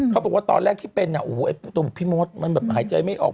เขาบอกว่าตอนแรกที่เป็นพี่มดมันแบบหายใจไม่ออก